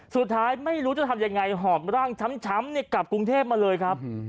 สุดท้ายไม่รู้จะทำยังไงหอบร่างช้ำกลับกรุงเทพมาเลยครับ